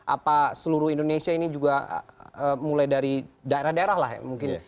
apa seluruh indonesia ini juga mulai dari daerah daerah lah ya mungkin